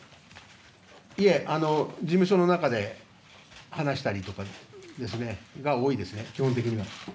いえ、事務所の中で話したりとかが多いですね、基本的には。